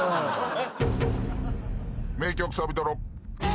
名曲サビトロ。